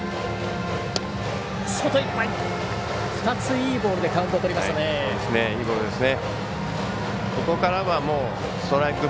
２ついいボールでカウントをとりましたね。